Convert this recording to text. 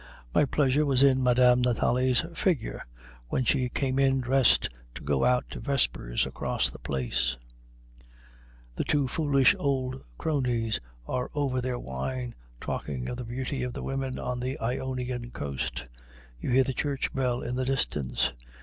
My pleasure was in Madame Nathalie's figure when she came in dressed to go out to vespers across the place. The two foolish old cronies are over their wine, talking of the beauty of the women on the Ionian coast; you hear the church bell in the distance.